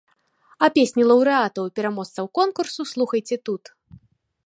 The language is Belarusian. А песні лаўрэатаў і пераможцаў конкурсу слухайце тут.